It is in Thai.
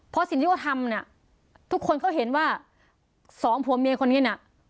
เพราะสิ่งที่เขาทำเนี่ยทุกคนเขาเห็นว่าสองผัวเมียคนนี้น่ะ